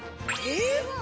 えっ？